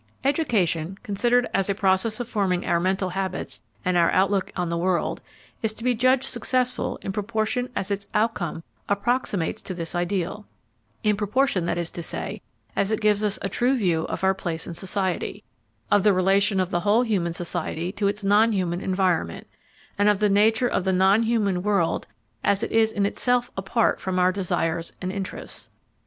Education, considered as a process of forming our mental habits and our outlook on the world, is to be judged successful in proportion as its outcome approximates to this ideal; in proportion, that is to say, as it gives us a true view of our place in society, of the relation of the whole human society to its non human environment, and of the nature of the non human world as it is in itself apart from our desires and interests.